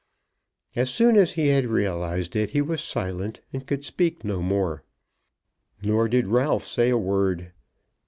As soon as he had realised it, he was silent and could speak no more. Nor did Ralph say a word.